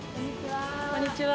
こんにちは。